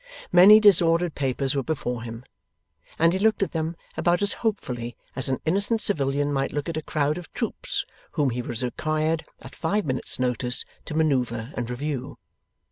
Many disordered papers were before him, and he looked at them about as hopefully as an innocent civilian might look at a crowd of troops whom he was required at five minutes' notice to manoeuvre and review.